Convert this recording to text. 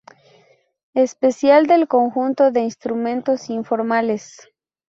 Especial del conjunto de instrumentos informales